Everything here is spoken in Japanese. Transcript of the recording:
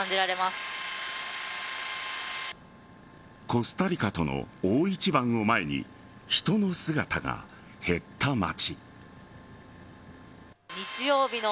コスタリカとの大一番を前に人の姿が減った街。